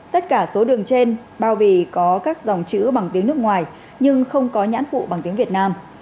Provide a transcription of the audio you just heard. tất cả số đường trên bao bì có các dòng chữ bằng tiếng nước ngoài nhưng không có nhãn phụ bằng tiếng việt nam